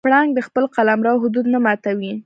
پړانګ د خپل قلمرو حدود نه ماتوي.